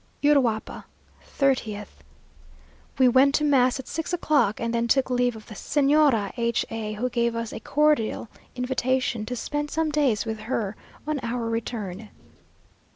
URUAPA, 30th. We went to mass at six o'clock; and then took leave of the Señora H a, who gave us a cordial invitation to spend some days with her on our return.